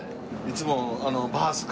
いつもバース